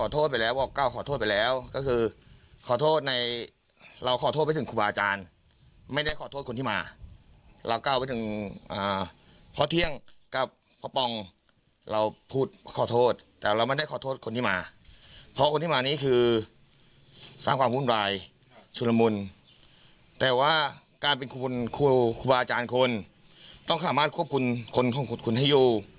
ต้องขอบคุณคนของคุณคุณให้อยู่